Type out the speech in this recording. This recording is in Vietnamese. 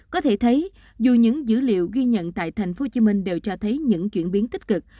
có thể thấy dù những dữ liệu ghi nhận tại thành phố hồ chí minh đều cho thấy những chuyển biến tích cực